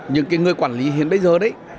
những người quản lý hiện bây giờ